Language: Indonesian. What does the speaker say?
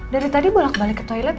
dari tadi bolak balik ke toilet